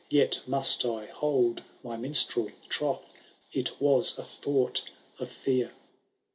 Yet must I hold my minstrel trothr— It waa a thought of fear.